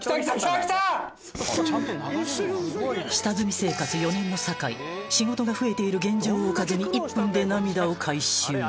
下積み生活４年の酒井仕事が増えている現状をおかずに１分で涙を回収